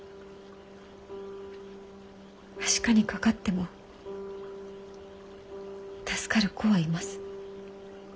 麻疹にかかっても助かる子はいます。